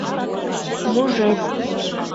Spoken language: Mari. — Мужед.